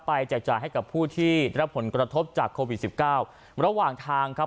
แจกจ่ายให้กับผู้ที่รับผลกระทบจากโควิดสิบเก้าระหว่างทางครับ